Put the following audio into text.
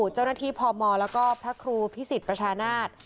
เจ้าหน้าที่พมแล้วก็พระครูพิสิทธิ์ประชานาศ